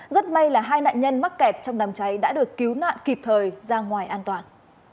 rất may là hai nạn nhân mắc kẹt trong đám cháy đã được cứu nạn kịp thời ra ngoài an toàn